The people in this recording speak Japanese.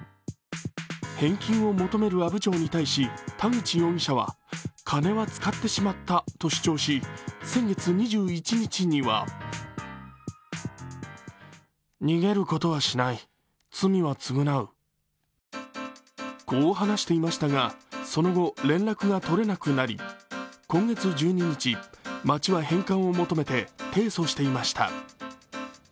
返金を求める阿武町に対し田口容疑者は金は使ってしまったと主張し先月２１日にはこう話していましたがその後、連絡がとれなくなり今月１２日、町は返還を求めて提訴していました。